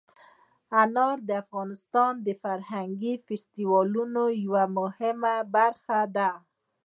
انار د افغانستان د فرهنګي فستیوالونو یوه مهمه برخه ده.